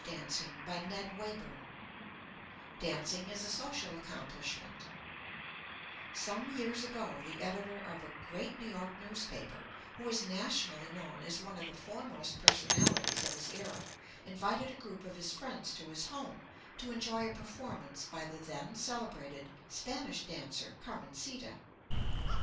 [Illustration: RITA OWEN] DANCING AS A SOCIAL ACCOMPLISHMENT Some years ago the editor of a great New York newspaper, who was nationally known as one of the foremost personalities of his era, invited a group of his friends to his home to enjoy a performance by the then celebrated Spanish dancer Carmencita.